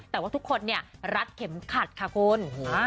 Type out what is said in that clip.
แต่ทุกคนรัดเข็มขัดค่ะคน